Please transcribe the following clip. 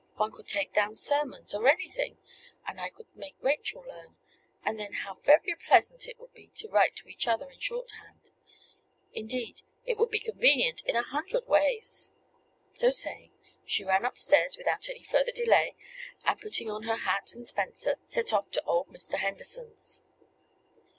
One could take down sermons, or anything; and I could make Rachel learn, and then how very pleasant it would be to write to each other in shorthand! Indeed, it would be convenient in a hundred ways." So saying, she ran upstairs, without any further delay, and putting on her hat and spencer, set off to old Mr. Henderson's.